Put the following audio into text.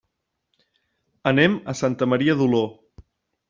Anem a Santa Maria d'Oló.